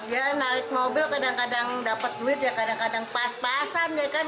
ya naik mobil kadang kadang dapat duit ya kadang kadang pas pasan ya kan